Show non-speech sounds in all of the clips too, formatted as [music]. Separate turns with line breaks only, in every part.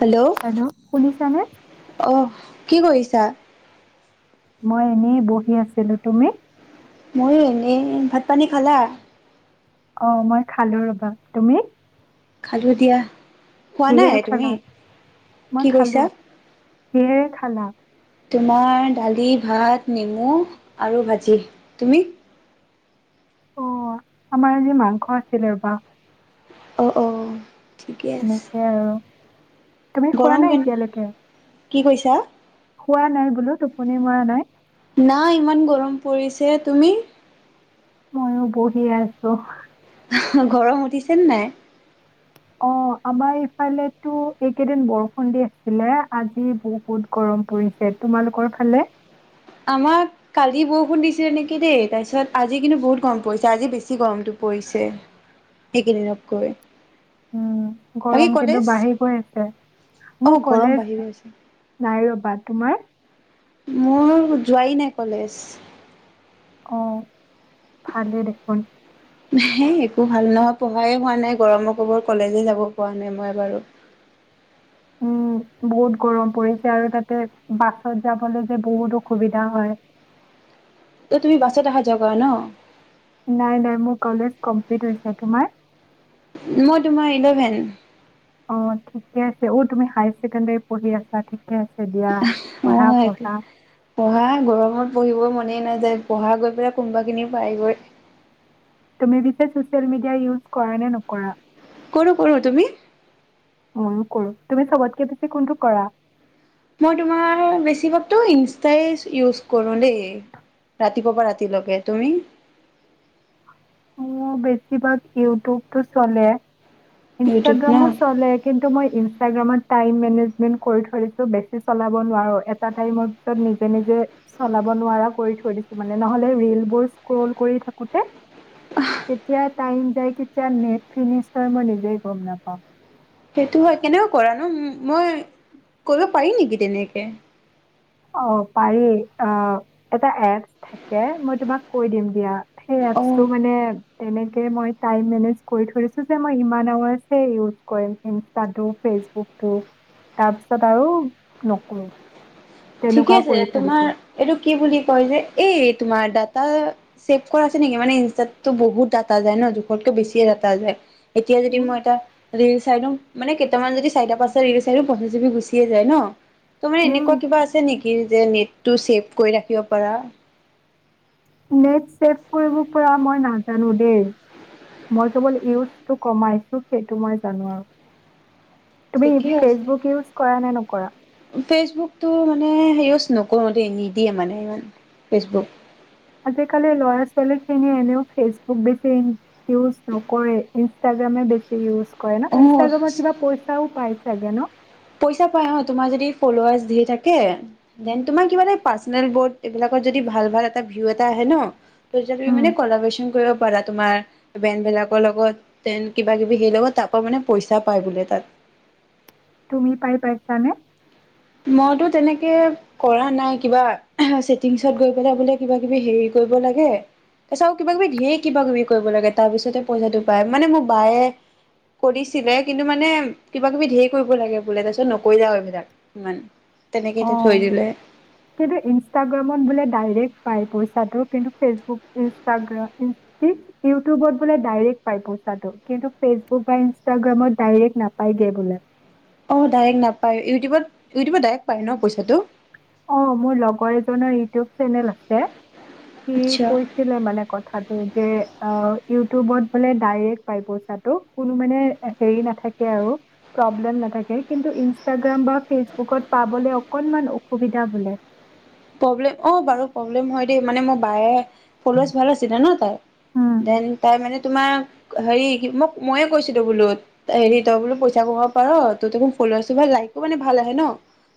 Hello অহ। কি কৰিছা।
মই এনেই বহি আছিলো তুমি।
ময়ো এনেই, ভাত পানী খালা।
অ মই খালো ৰবা তুমি।
খাজো দিয়া। খোৱা নাই
কিহেৰে
তুমি?
খালা,
কি
মই
কৈছা?
খালো, কি খালা। খলা [unintelligible]
তোমাৰ, দালি ভাত নেমু আৰু ভাজি তুমি।
অঁ আমাৰ আজি মাংস আছিলে বা।
অঁ অঁ।
সেনেকে আৰু। তুমি খোৱা
গৰম
নাই
কেনে
এতিয়ালৈকে।
কি কৈছা।
হোৱা নাই বোলো, টোপনি মৰা নাই।
না ইমান গৰম পৰিছে, তুমি।
ময়ো বহি আছো।
গৰম উঠিছে নে নাই।
অঁ আমাৰ ইফালো তো এইকেইদিন বৰষুণ দি আছিলে, আজি বহুত গৰম পৰিছে তোমালোকৰ ফালে।
আমাক কালি বৰষুণ দিছিলে নেকি দেই, তাৰপিছত আজি কিন্তু বহুত গৰম পৰিছে আজি বেছি গৰমটো পৰিছে সেইকেইদিনতকৈ।
উম গৰম কিন্তু বাঢ়ি গৈ আছে,
অ
মোৰ
গৰম
কলেজ
বাঢ়ি গৈছে।
নাই। তোমাৰ।
মোৰ যোৱাই নাই কলেজ।
অঁ ভালেই দেখোন।
একো ভাল নহয় পঢ়াই হোৱা নাই গৰমৰ কলেজে যাব পৰা নাই মই বাৰু।
উম বহুত গৰম পৰিছে আৰু তাতে, বাছত যাবলৈ যে বহুত অসুবিধা হয়।
এই তুমি বাছত অহা যোৱা কৰা ন।
নাই নাই মোৰ কলেজ কমপ্লিট হৈছে তোমাৰ।
মই তোমাৰ ইলেভেন।
অঁ ঠিকে আছে, অঁ তুমি হায়াৰ ছেকেণ্ডাৰী পঢ়ি আছা। আছে দিয়া
অ
পঢ়া
সটো
পঢ়া
পঢ়া গৰমত পঢ়িব মন [unintelligible] মনেই নাযায় পঢ়া গৈ পেলাই কোনোবা খিনি পাইগৈ।
তুমি পিছে চচিয়েল মেডিয়া ইউজ কৰা নে নকৰা?
কৰো কৰো, তুমি?
মইয়ো কৰো, তুমি চবতকে বেছি কোনটো কৰা?
মই তোমাৰ, বেছিভাগতো ইনষ্টাই ইউজ কৰোঁ দেই ৰাতিপুৱা পৰা ৰাতিলৈকে, তুমি?
মোৰ বেছিভাগ ইউটিউব টো চলে।
ইউটিউব ন?
ইনষ্টাগ্ৰামো চলে। কিন্তু মই ইনচ ইনষ্টাগ্ৰামত টাইম মেনেজমেণ্ট কৰি থৈছোঁ, বেছি চলাব নোৱাৰোঁ এটা টাইমৰ পাছত নিজেই নিজেই চলাব নোৱাৰা কৰি থৈ দিছোঁ মানে, নহ'লে ৰীলবোৰ স্ক্ৰ'ল কৰি থাকোঁতে কেতিয়া টাইম যায়, কেতিয়া নেট ফিনিচ হয়, মই নিজেই গম নাপাওঁ।
সেইটো হয় কেনেকৈ কৰা ন?, মই কৰিব পাৰি নেকি তেনেকে?
অঁ পাৰি, অঁ এটা এপ্ছ থাকে মই তোমাক কৈ দিম দিয়া। হেই এপ্ছটো
অ
মানে তেনেকে মই টাইম মেনেজ কৰি থৈছোঁ যে মই ইমান আৱাৰ্চ হে ইউজ কৰিম, ইনষ্টাটো, ফেচবুকটো, তাৰপিছত আৰু নকৰো।
ঠিকে আছে তোমাৰ এইটো কি বুলি কয় যে, এই তোমাৰ ডাটা ছেভ কৰাছে নেকি? মানে ইনষ্টাতটো বহুত ডাটা যায় ন, জোখতকৈ বেছিয়ে ডাটা যায়। এতিয়া যদি
উম,
মই এটা ৰিল চাইডো, মানে কেইটামান যদি চাৰিটা পাচ ৰিল চাইডো, পচিছ জিবি গুচিয়ে যায় ন? তুমি
উম,
এনেকুৱা কিবা আ [unintelligible] যে নেটটো ছেভ কৰি ৰাখিব পাৰা।
নেট চেভ কৰিব পৰা মই নাজানো দেই, মই কেৱল ইউজটো কমাইছোঁ, সেইটো মই জানোঁ আৰু। তুমি
থিকেই আছে,
ফেচবুক ইউজ কৰা নে নকৰা
ফেচবুকটো মানে ইউছ নকৰোঁ দেই নিদিয়ে মানে ইমান, ফেচবুক!
আজি কালি ল'ৰা ছোৱালীখিনিও এনেও বেছি ফেচবুক ইউজ নকৰে ইনষ্টাগ্ৰাম হে বেছি ইউজ কৰে ন?
অ
ইনষ্টাগ্ৰামত কিবা পইচাও পাই চাগে ন?
পইচা পাই অ, তোমাৰ যদি ফল'ৱাৰ্ছ ধেৰ থাকে দেন তোমাৰ কিবা এটা পাৰ্ছনেল বৰ্ড এইবিলাকত যদি ভাল ভাল এটা ভিও আহে ন
উম,
[unintelligible] ক'লাবৰচেন কৰিব পাৰা তোমাৰ বেনবিলাকৰ লগত। দেন কিবা কিবি, সেই লগত আক' মানে পইচা পায় বোলে তাত।
তুমি পাই পাইছানে?
মইতো তেনেকে কৰা নাই, কিবা ছেটিংছত গৈ পেলাই বোলে কিবা কিবি হেৰি কৰিব লাগে, তাৰপিছত কিবা কিবি ধেৰ কিবা কিবি কৰিব লাগে, তাৰপিছতে পইচাটো পায় মানে মোক বায়ে কৰিছিলে কিন্তু মানে কিবা কিবি ধেৰ কৰিব লাগে বোলে, তাৰ পিছত নকৰিলে আৰু এইবিলাক। ইমান তেনেকে
অ
থৈ দিলে
কিন্তু ইনষ্টাগ্ৰামত বোলে ডাইৰেক্ট পাই পই তাতো কিন্তু ফেচবুক ইনষ্টাগ্ৰা ইন্চ কি! ইউটিউবত বোলে ডাইৰেক্ট পাই পইচাটো কিন্তু ফেচবুক বা ইনাগ্ৰামত ডাইৰেক্ট নাপায়গে বোলে।
অ ডাইৰেক্ট নাপায়, ইউটিউবত ইউটিউবত ডাইৰেক্ট পায় ন পইচাটো?
অ মোৰ লগৰ এজনৰ ইউটিউব চেনেল আছে সি
আচ্ছা
কৈছিলে মানে কথাটো যে অঁ ইউটিউবত বোলে ডাইৰেক্ট পাই পইচাটো কোনো মানে হেৰি নাথাকে আৰু প্ৰব্লেম নাথাকে কিন্তু ইনষ্টাগ্ৰাম বা ফেচবুকত পাবলে অকনমান অ এয়া বোলে।
প্ৰব্লেম অঁ বাৰু প্ৰব্লেম হয় দেই মানে মোৰ বায়ে ফলুৱাচ ভাল আছিলে ন তাই,
উম,
দেন তাই মানে তোমাক হেৰি মোক ময়ে কৈছিলো বোলো হেৰি তই বোলো পইচা কব পাৰ ত দেখ ফুল বাছিব লাইকো মানে ভাল আহে ন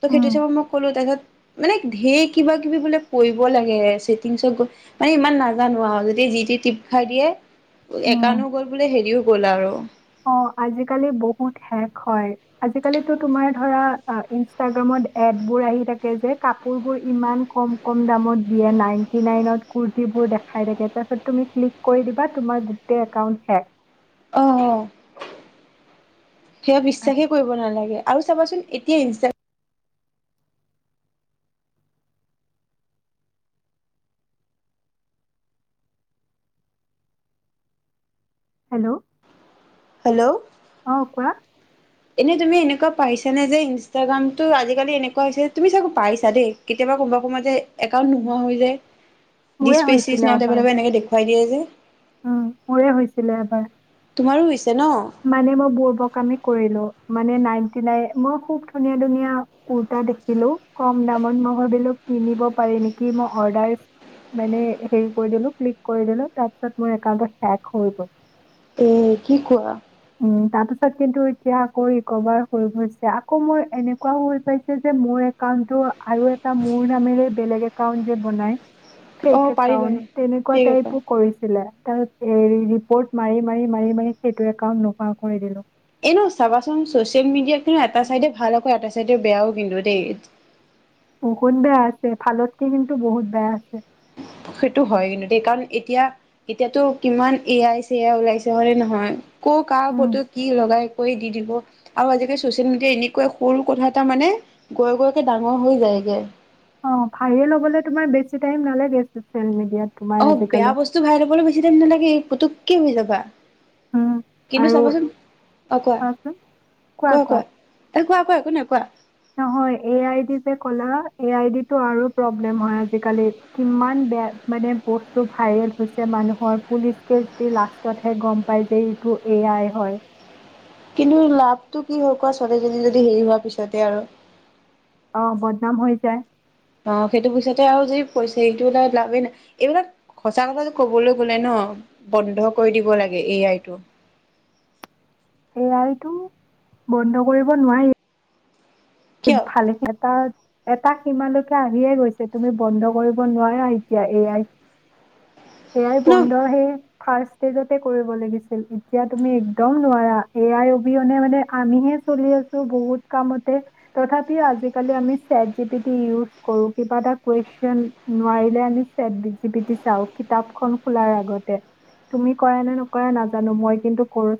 ত খেতি
উম,
চাবত মই ক'লো তেত মানে ঢেঁক, কিবা -কিবি বোলে কৰিব লাগে। ছেটিংচ ত গৈ মানে ইমান নাজানো আৰু যদি যিতি টিপ খাই দিয়ে। একাঁউনো কৰি বোলে হেৰিও, গ'ল আৰু,
অহ ', আজিকালি টো বহুত হেক হয়, আজিকালিটো তোমাৰ ধৰা ইনষ্টাগ্ৰামত এদবোৰ আহি থাকে যে, কাপোৰবোৰ ইমান কম - কম দামত দিয়ে নাইন্তি - নাইনত কুৰ্তিবোৰ দেখাই থাকে তাতে তুমি ক্লিক কৰি দিবা, তোমাৰ গোটেই একাউণ্ট হেক।
অহ ', অহ', সেয়া বিশ্বাসে কৰিব নালাগে। আৰু চাবাচোন এতিয়া ইনষ্ট্ৰাগ্ৰা,
হেল্ল',
হেল্ল',
অহ ', কোৱা।
এনে তুমি এনেকুৱা পাইছা নে যে, ইনষ্টাগ্ৰামতটো আজিকালি এনেকুৱা হৈছে তুমি চাগে পাইছা দেই, কেতিয়াবা কোনোবা- -কোনবা যে একাউণ্ট নোহোৱা হৈ যায়।
মোৰে
ডিচ-পেজ-
হৈছিলে
ইজ নট
এবাৰ
অভেলেবল এনেকে দেখুৱাই দিয়ে। এ',
উম', মোৰে হৈছিলে এবাৰ।
তোমাৰো হৈছে? ন
মানে মই বুৰ্বক কামে কৰিলো। মানে নাইণ্টি নাইন, খুব ধুনীয়া- ধুনীয়া কুৰ্তা দেখিলোঁ কম দামত, মই ভাবিলোঁ কিনিব পাৰি নেকি, মই অৰ্ডাৰ হেই কৰি দিলোঁ, মানে ক্লিক কৰি দিলোঁ একাউণ্টতো হেক হৈ গল।
এ', কি কোৱা, -
তাৰ পিছত কিন্তু এতিয়া আকৌ ৰিকভাৰ হৈ গৈছে। আকৌ মোৰ এনেকুৱা হৈ পাইছে যে, মোৰ একাউণ্টটো, আৰু এটা মোৰ নামেৰে বেলেগ এ, '- একাউণ্ট যে বনাই।
অ
ফেক
পাৰি পাৰি
একাউন্ট, তেনেকুৱা
ঠিক আছে
টাইপো কৰিছিলে। তাৰ এ', ৰিপৰ্ট মাৰি -মাৰি - মাৰি -মাৰি সেইটোৱে, কাম নকৰা কৰি দিলো।
এ', ন', চাবাচোন চচিয়েল- মিডিয়াত কিন্তু এটা চাইডে ভাল আকৌ এটা চাইডে বেয়াও কিন্তু দেই।
বহুত বেয়া আছে, ভালতকে কিন্তু বহুত বেয়া আছে।
সেইটো হয় কিন্তু দেই, কাৰণ এতিয়া- -এতিয়াতো কিমান এ-আই- চে- আই ওলাইছে হয়নে নহয়? ক', - কাৰ
উম,
ফটো কি লগাই, - কৰি দি দিব আৰু আজিকালি চচিয়েল- -মিডিয়া এনেকুৱা সৰু কথা এটা মানে গৈ- -গৈকে ডাঙৰ হৈ যায়গে।
অ', ভাইৰেল হ'বলৈ তোমাৰ বেছি টাইম নালাগে চচিয়েল -মিডিয়াত। তোমাৰ
অ',
আজিকালি।
বেয়া বস্তু ভাইৰেল হবলৈ বেছি টাইম নালাগে। পুটুককে হৈ যাবা।
উম,
কিন্তু
আৰু
চাবচোন, অ', -ক- ক
কোৱাচোন,
তা, কোৱা- কোৱা একো নাই কোৱা?
নহই এ- আই- দি যে কলা, এ- আই- দি টো আৰু প্ৰব্লেম হয় আজি কালি। কিমান বেয়া মানে বস্তু ভাইৰেল হৈছে মানুহৰ, পলিচ কেছ দি লাষ্টত হে গম পায় যে এইটো এ- আই- হয়।
কিন্তু লাভটো কি হয় কোৱা? ছোৱালীজনী যদি হেৰি হোৱাৰ পিছতে আৰু,
অহ ', বদনাম হৈ যায়।
অ', সেইটো পিছতে আৰু যি পইছে সেইটো লাভেই নাই, এইবিলাক সঁচা কথাটো কবলৈ গলে ন', বন্ধ কৰি দিব লাগে এ- আইটো।
এ- আই-টো বন্ধ কৰিব নোৱাৰি।
কিয়
ভালে কেইটা এটা সীমালৈকে আহিয়ে গৈছে তুমি বন্ধ কৰিব নোৱাৰা এতিয়া এয়াই। এ আই
ন
বন্ধ সেই। ফাৰ্ষ ষ্টেজতে কৰিব লাগিছিল, এতিয়া তুমি একদম নোৱাৰা। এ আই অবিহনে মানে আমিহে চলি আছো বহুত কামতে তথাপি আজি কালি আমি set G P T use কৰো, কিবা এটা কুৱেচন নোৱাৰিলে আমি চেট জি পি টি চাও, কিতাপ খন খোলাৰ আগতে তুমি কৰা নে নকৰা নাজানো? মই কিন্তু কৰো।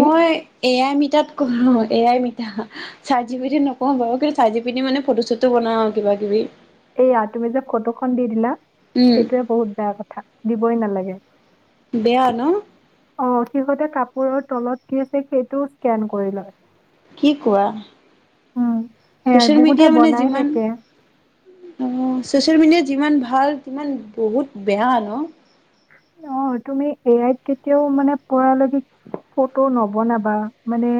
মই এ এ আই মিটাত কৰোঁ A I me chat GPT নকৰোঁ বাৰু কিন্তু চাত জীপিতি মানে ফটো চটো বনাও আও কিবা কিবি।
এয়া তুমি যে ফটোখন দি দিলা
উম
সেইটোয়ে বহুত বেয়া কথা। দিবই নালাগে।
বেয়া ন?
অ' সিহতে কাপোৰৰ তলত কি আছে সেইটোও স্কেন কৰি লয়।
কি কোৱা?
উম সেয়াই
চচিয়েল মিডিয়া
বহুতে
মানে
বনাই
যিমান,
থাকে
অ' চচিয়েল মিডিয়াত যিমান ভাল সিমান বহুত বেয়া ন'?
অ' তুমি এ আইত কেতিয়াও মানে [inaudible] ফটো নবনাবা মানে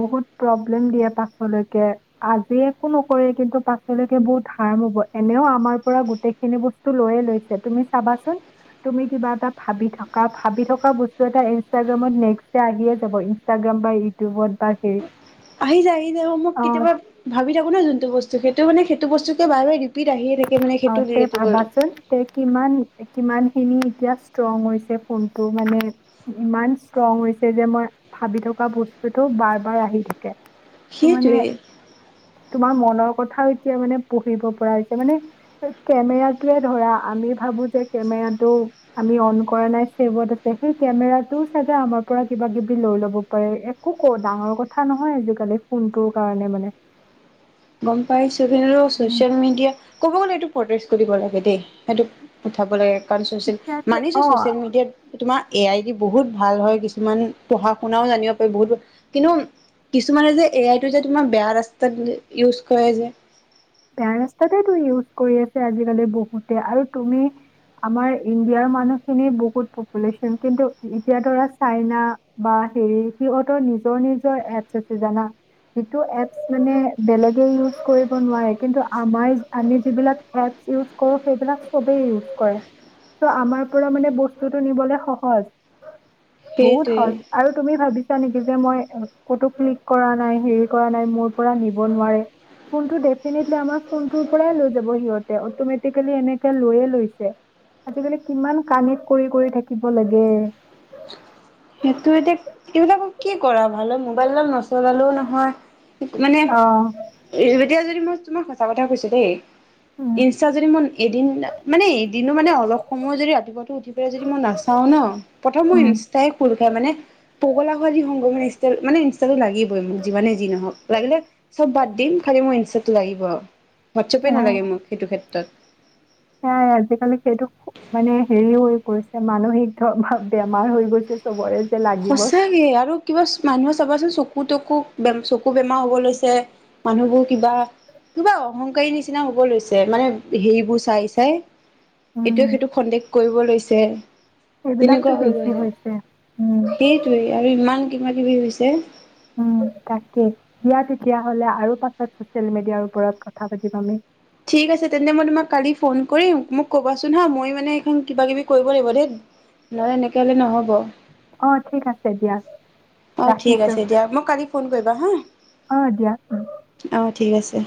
বহুত প্ৰব্লেম দিয়ে পাছলৈকে। আজি একো নকৰে কিন্তু পাছলৈকে বহুত হাৰ্ম হব। এনেও আমাৰ পৰা গোটেইখিনি বস্তু লৈয়ে লৈছে তুমি চাবাচোন। তুমি কিবা এটা ভাবি থাকা। ভাবি থকা থকা বস্তু এটা ইনষ্টগ্ৰামত নেক্স আহিয়ে যাব ইনষ্টাগ্ৰাম বা ইউটিউবত বা
আহি যায় আহি যায় মই
অ
কেতিয়াবা ভাবি থাকো ন যোনটো বস্তু ত সেইটো মানে সেইটো বস্তুে বাৰ ৰিপিট আহিয়ে থাকে। মানে সেইটো
অ' তে
ৰিলেটেবল
ভাবাচোন তে কিমান? কিমানখিনি এতিয়া ষ্ট্ৰং হৈছে ফোনটো মানে ইমান ষ্ট্ৰং হৈছে যে মই ভাবি থকা বস্তুতটো বাৰ- বাৰ আহি থাকে। ত মানে
সেইটোৱে
তোমাৰ মনৰ কথা এতিয়া মানে পঢ়িব পৰা হৈছে, মানে কেমেৰাটোৱে ধৰা আমি ভাবো যে কেমেৰাটো আমি অন কৰা নাই চছেভত আছে, সেই কেমেৰাটোও চাগে আমাৰ পৰা কিবা কিবি লৈ লব পাৰে, একো ক ডাঙৰ কথা নহয় আজিকালি ফোনটোৰ কাৰণে মানে।
গম পাইছো। [unintelligible]
উম,
ছ'চিয়েল মিডিয়া ক'ব গ'লে এইটো প্ৰতেষ্ট কৰিব লাগে দেই সেইটো উঠাব লাগে। [inaudible] ছচিয়েল
তেতিয়াতো
মানিছো
অ
ছ'চিয়েল মিডিয়াত তোমাৰ এ আই দি বহুত ভাল হয়। কিছুমান পঢ়া শুনাও জানিব পাৰি বহুত কিন্তু কিছুমানে যে এ আইটো যে তোমাৰ বেয়া ৰাস্তাত ইউজ কৰে যে
বেয়া ৰাস্তাতে টো ইউজ কৰি আছে আজিকালি বহুতে। আৰু তুমি আমাৰ ইণ্ডিয়াৰ মানুহখিনি বহুত পপুলেশ্যন কিন্তু এতিয়া ধৰা চাইনা বা হেৰি সিহঁতৰ নিজৰ নিজৰ এপচ আছে জানা যিটো এপছ মানে বেলেগে ইউজ কৰিব নোৱাৰে। কিন্তু আমাৰ আমি যিবিলাক এপছ ইউচ্ কৰোঁ, সেইবিলাক চৱেই ইয়ুজ কৰে। ত আমাৰ পৰা মানে বস্তুটো নিবলে সহজ। বহুত
সেইটোৱে
সহজ আৰু তুমি ভাবিছা নিকি যে মই কটো ক্লিক কৰা নাই হেৰী কৰা নাই মোৰ পৰা নিব নোৱাৰে। কোনটো ডেট [inaudible] ফোনটো পৰাই লৈ যাব সিহঁতে অতমেটিকেলি লৈয়ে লৈছে। আজি কালি কিমান কানেক্ট কৰি কৰি থাকিব লাগে।
সেইটো এতিয়া এই বিলাকক কি কৰা ভাল হয় মোবাইলডাল নচলালেও নহয়। মানে
অ
এই, এতিয়া যদি মই তোমাক সঁচা কথা কৈছো দেই।
উম
ইনষ্টা যদি মই এদিন মানে এদিনো মানে অলপ সময় যদি ৰাতিপুৱাটো উঠি পেলাই যদি মই নাচাও ন প্ৰথম মই
উম
ইনষ্টাই মানে পগলা খোৱালি সংগ মানে ই মানে ইনষ্টাটো লাগিবই মোক যিমানে যি নহওক লাগিলে চব বাদ দিম খালি মোৰ ইনষ্টাটো লাগিব আৰু হোৱাটছএপে
অ
নালাগে মোক সেইটো ক্ষেত্ৰত।
সেয়াই আজিকালি সেইটো মানে হেৰি হৈ গৈছে মানসিক ধ বা বেমাৰ হৈ গৈছে চবৰে। যে লাগিবই
সঁচাকে আৰু কিবা মানুহে চাবাচোন চকো। চকু তকু চকু বেমাৰ হ'ব লৈছে মানুহবোৰ কিবা কিবা অহংকাৰী নিচিনা হব লৈছে মানে হেৰিবোৰ চাই চাই। এইটোৱে
উম
সেইটো সন্দেহ কৰিব লৈছে
সেইবিলাকতো
তেনেকুৱা হৈ
বেছি
গৈছে।
হৈছে উম
সেইটোৱে আৰু ইমান কিবা কিবি হৈছে।
উম তাকে ইয়াত তেতিয়া হ'লে আৰু পাছত চচিয়েল মিডিয়াৰ ওপৰত কথা পাতিম আমি।
ঠিক আছে তেন্তে মই তোমাক কালি ফোন কৰিম মোক ক'বাচোন হা মই মানে সখন কিবা কিবি কৰিব লাগিব দেই নহ'লে এনেকে হ'লে নহ'ব।
অ ঠিক আছে দিয়া
অ' ঠিক
ৰাখিছো
আছে দিয়া মোক কালি ফোন কৰিবা হা
আহ দিয়া।
অ' ঠিক আছে।